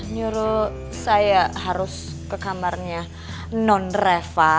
nyuruh saya harus ke kamarnya non reva